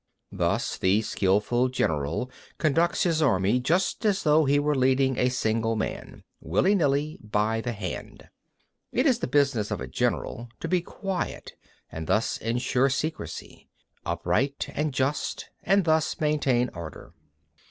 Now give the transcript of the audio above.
Thus the skilful general conducts his army just as though he were leading a single man, willy nilly, by the hand. 35. It is the business of a general to be quiet and thus ensure secrecy; upright and just, and thus maintain order.